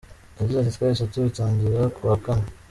Yagize ati “Twahise tubitangira ku wa Kane.